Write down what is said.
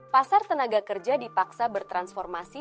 pasar tenaga kerja dipaksa bertransformasi